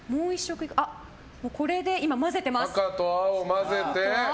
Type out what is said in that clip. これで混ぜてます。